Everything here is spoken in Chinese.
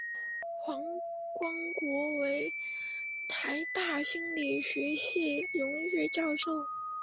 黄光国为台大心理学系荣誉教授。